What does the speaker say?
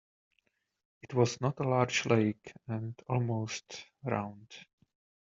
It was not a large lake, and almost round.